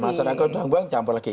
masyarakat sudah buang dicampur lagi